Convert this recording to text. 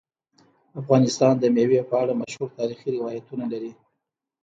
افغانستان د مېوې په اړه مشهور تاریخی روایتونه لري.